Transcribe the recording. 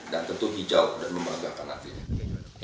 dan tentu hijau dan membanggakan hatinya